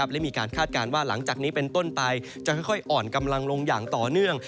และมีการคาดการณ์ว่าหลังจากนี้เป็นต้นไปจะค่อยอ่อนกำลังลงอย่างต่อเนื่อง